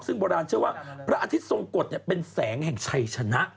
ซึ่งโบราณเชื่อว่าพระอาทิตย์ทรงกฎเป็นแสงแห่งชัยชนะ